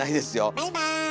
バイバーイ。